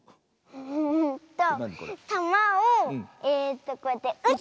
うんとたまをえとこうやってうつ。